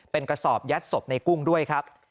เป็นกระสอบยัดศพในกุ้งด้วยครับ